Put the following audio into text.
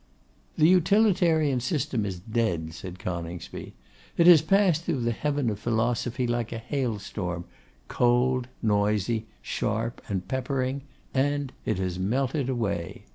'The Utilitarian system is dead,' said Coningsby. 'It has passed through the heaven of philosophy like a hailstorm, cold, noisy, sharp, and peppering, and it has melted away.